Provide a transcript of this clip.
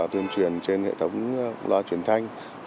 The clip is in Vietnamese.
tuyên truyền trên hệ thống loa truyền thanh